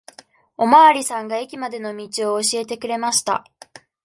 おまわりさんが駅までの道を教えてくれました。